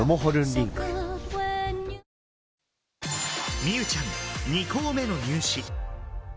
美羽ちゃん２校目の入試。